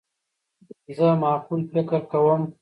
زه معقول فکر کوم.